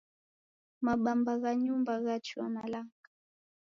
Mabamba gha nyumba ghachua malanga.